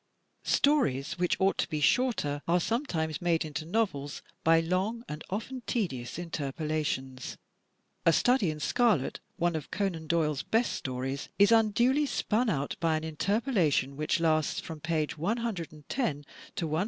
Stories which ought to be shorter are sometimes made into novels by long and often tedious interpolations. "A Study in Scarlet," one of Conan Doyle's best stories, is unduly spun out by an interpolation which lasts from page no to 184.